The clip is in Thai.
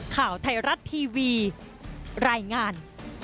ข่าวไทยรัฐทีวีรายงาน